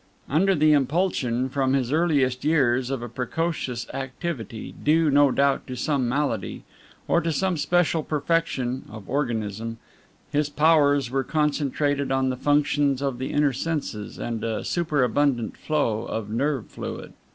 Under the impulsion, from his earliest years, of a precocious activity, due, no doubt, to some malady or to some special perfection of organism, his powers were concentrated on the functions of the inner senses and a superabundant flow of nerve fluid.